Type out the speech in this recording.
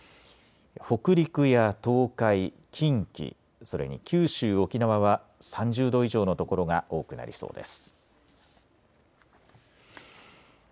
北陸や東海、近畿、それに九州、沖縄は３０度以上の所が多くなりそうです。